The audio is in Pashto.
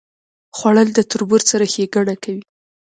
خوړل د تربور سره ښېګڼه کوي